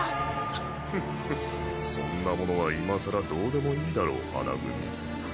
フッフッフそんな者は今更どうでもいいだろう花組。